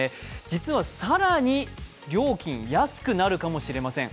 実は更に料金、安くなるかもしれません。